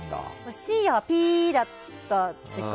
深夜はピーだった時間？